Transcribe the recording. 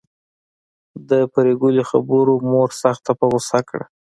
د پري ګلې خبرو مور سخته په غصه کړه